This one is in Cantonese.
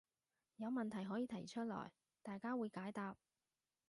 有問題可以提出來，大家會解答